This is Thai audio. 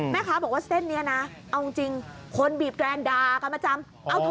แม่ค้าบอกว่าเส้นนี้นะเอาจริงคนบีบแกรนด่ากันประจำ